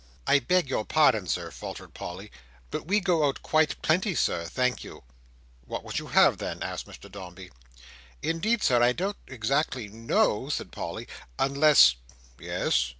"I beg your pardon, Sir," faltered Polly, "but we go out quite plenty Sir, thank you." "What would you have then?" asked Mr Dombey. "Indeed Sir, I don't exactly know," said Polly, "unless—" "Yes?"